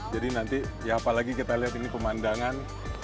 jadi nanti ya apalagi kita lihat ini pemandangan